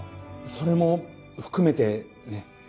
それも含めてね。